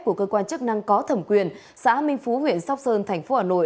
của cơ quan chức năng có thẩm quyền xã minh phú huyện sóc sơn thành phố hà nội